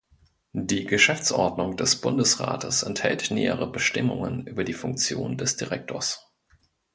Die Geschäftsordnung des Bundesrates enthält nähere Bestimmungen über die Funktion des Direktors.